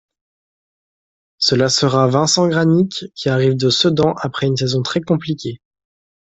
Cela sera Vincent Gragnic, qui arrive de Sedan après une saison très compliquée.